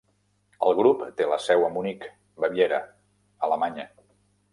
El grup té la seu a Munic, Baviera, Alemanya.